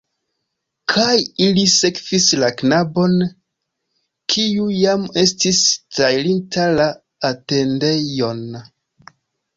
Kaj ili sekvis la knabon, kiu jam estis trairinta la atendejon.